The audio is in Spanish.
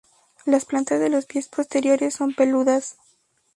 Las plantas de los pies posteriores son peludas.